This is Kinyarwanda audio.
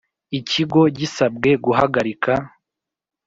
Ikigo gisabwe guhagarika